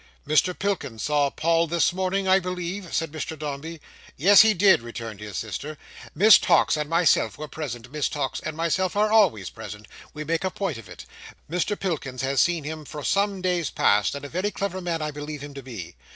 "Mr Pilkins saw Paul this morning, I believe?" said Mr Dombey. "Yes, he did," returned his sister. "Miss Tox and myself were present. Miss Tox and myself are always present. We make a point of it. Mr Pilkins has seen him for some days past, and a very clever man I believe him to be.